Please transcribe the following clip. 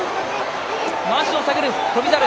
まわしを探る翔猿。